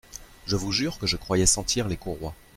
Je vous jure que je croyais sentir les courroies.